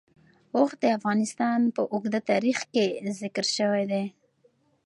اوښ د افغانستان په اوږده تاریخ کې ذکر شوی دی.